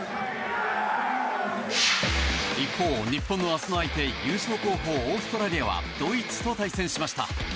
一方、日本の明日の相手優勝候補オーストラリアはドイツと対戦しました。